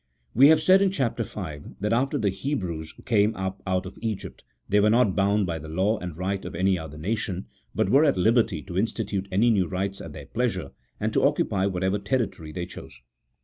We have said in Chap. V. that after the Hebrews came up out of Egypt they were not bound by the law and right of any other nation, but were at liberty to institute any new rites at their pleasure, and to occupy whatever terri tory they chose.